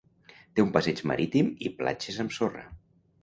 Té un passeig marítim i platges amb sorra.